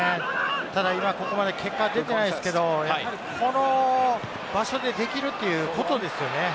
ここまで結果が出ていないですけど、この場所でできるということですよね。